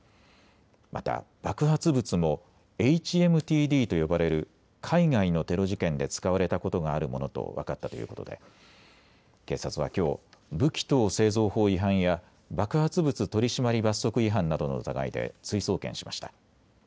また爆発物もＨＭＴＤと呼ばれる海外のテロ事件で使われたことがあるものと分かったということで警察はきょう武器等製造法違反や爆発物取締罰則違反などの疑いで追送検しました。